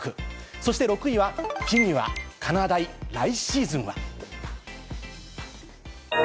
そして６位は、フィギュア・かなだい、来シーズンは？